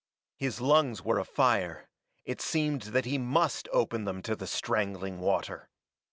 His lungs were afire; it seemed that he must open them to the strangling water.